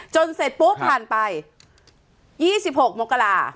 เสร็จปุ๊บผ่านไป๒๖มกรา